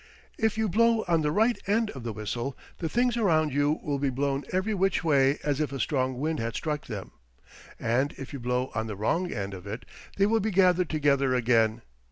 If you blow on the right end of the whistle the things around you will be blown every which way as if a strong wind had struck them, and if you blow on the wrong end of it they will be gathered together again.